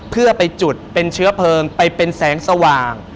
เพื่อไปจุดเป็นเชื้อเพลิงไปเป็นแสงสว่าง